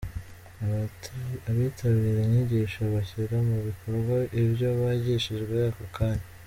Abitabira inyigisho bashyira mu bikorwa ibyo bigishijwe ako kanya.